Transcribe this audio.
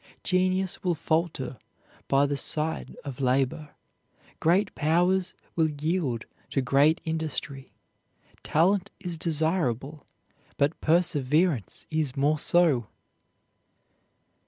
Genius will falter by the side of labor, great powers will yield to great industry. Talent is desirable, but perseverance is more so.